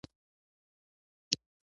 پسه له شیدو بې برخې وي.